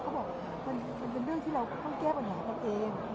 เขาบอกมันเป็นเรื่องที่เราต้องแก้ปัญหากันเอง